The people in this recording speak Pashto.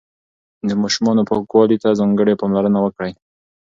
د ماشومانو پاکوالي ته ځانګړې پاملرنه وکړئ.